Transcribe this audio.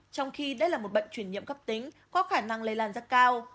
trong khi đây là một bệnh chuyển nhiễm cấp tính có khả năng lây lan rất cao